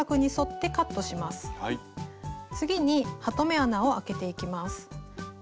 次にハトメ穴をあけていきます。